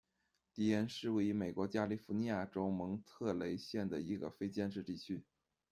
迪恩是位于美国加利福尼亚州蒙特雷县的一个非建制地区。